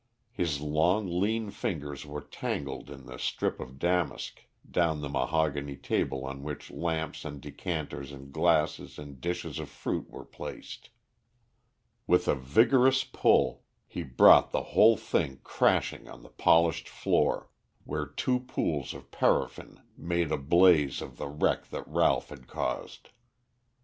His long, lean fingers were tangled in the strip of damask down the mahogany table on which lamps and decanters and glasses and dishes of fruit were placed. With a vigorous pull he brought the whole thing crashing on the polished floor, where two pools of paraffin made a blaze of the wreck that Ralph had caused.